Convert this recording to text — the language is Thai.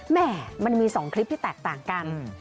แม่มันมี๒คลิปที่แตกต่างกัน